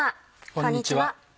こんにちは。